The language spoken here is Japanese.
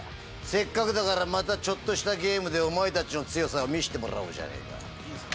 せっかくだからまたちょっとしたゲームでお前たちの強さを見してもらおうじゃねえか。